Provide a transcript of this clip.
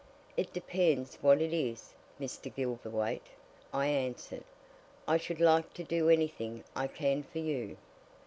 "It depends what it is, Mr. Gilverthwaite," I answered. "I should like to do anything I can for you."